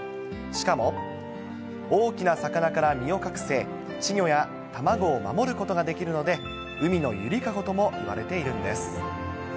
しかも、大きな魚から身を隠せ、稚魚や卵を守ることができるので、海のゆりかごともいわれているんです。